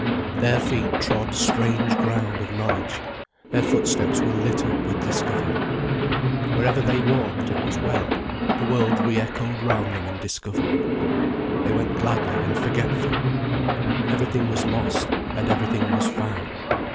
Their feet trod strange ground of knowledge, their footsteps were lit up with discovery. Wherever they walked, it was well, the world re echoed round them in discovery. They went gladly and forgetful. Everything was lost, and everything was found.